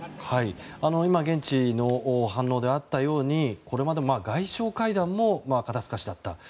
今、現地の反応であったようにこれまで外相会談も肩透かしだった。